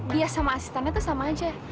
dia sama asistannya tuh sama aja